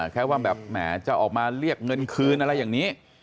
แค่ว่าแบบแหมจะออกมาเรียกเงินคืนอะไรอย่างนี้